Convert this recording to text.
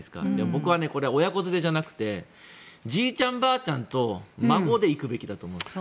僕は親子連れじゃなくてじいちゃん、ばあちゃんと孫で行くべきだと思います。